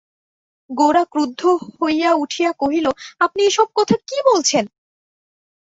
গোরা ক্রুদ্ধ হইয়া উঠিয়া কহিল, আপনি এ-সব কথা কী বলছেন!